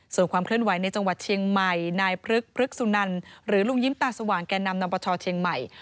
ส่วนความเคลื่อนไหวในจังหวัดเชียงใหม่นายพลึกพฤกษุนันหรือลุงยิ้มตาสว่างแก่นำนำประชาเชียงใหม่